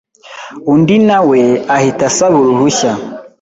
undi na we ahita asaba uruhushya